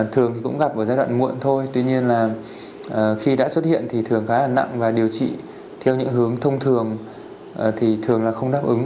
thường thì cũng gặp ở giai đoạn muộn thôi tuy nhiên là khi đã xuất hiện thì thường khá là nặng và điều trị theo những hướng thông thường thì thường là không đáp ứng